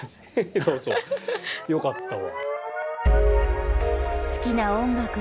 そうそうよかったわ。